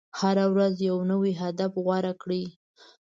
هره ورځ یو نوی هدف غوره کړئ.